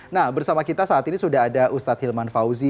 nah bersama kita saat ini sudah ada ustadz hilman fauzi